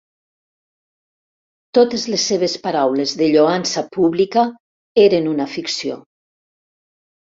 Totes les seves paraules de lloança pública eren una ficció.